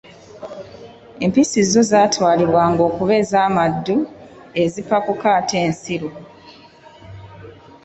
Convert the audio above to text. Empisi zo zatwalibwanga okuba ez’amaddu, ezipakuka ate ensilu.